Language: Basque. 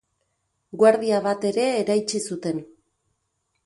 Guardia bat ere eraitsi zuten.